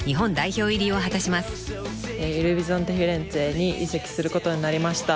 イル・ビゾンテ・フィレンツェに移籍することになりました。